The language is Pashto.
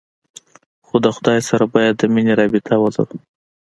خو د خداى سره بايد د مينې رابطه ولرو.